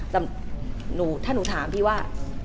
แต่ถ้าหนูถามพี่ว่า